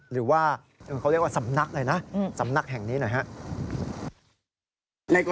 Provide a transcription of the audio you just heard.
หรือว่าเขาเรียกว่าสำนักเลยนะสำนักแห่งนี้หน่อยครับ